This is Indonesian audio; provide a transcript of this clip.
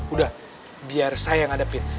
udah biar saya yang ngadepin